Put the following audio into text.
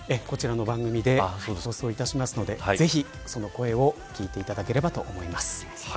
こちらの番組で放送いたしますのでぜひその声を聞いていただければと思います。